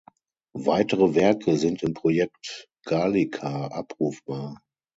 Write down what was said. Weitere Werke sind im Projekt Gallica abrufbar.